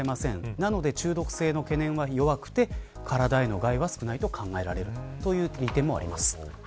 なので、中毒性の懸念は弱くて体への害は少ないと考えられるという利点もあります。